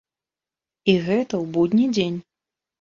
І гэта ў будні дзень.